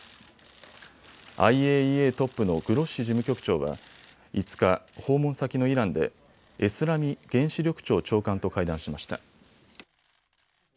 ＩＡＥＡトップのグロッシ事務局長は５日、訪問先のイランでエスラミ原子力庁長官と会談しました。